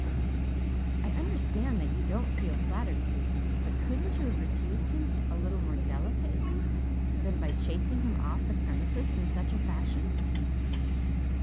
"I understand that you don't feel flattered, Susan. But couldn't you have refused him a little more delicately than by chasing him off the premises in such a fashion?"